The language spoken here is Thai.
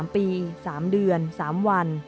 ๓ปี๓เดือน๓วัน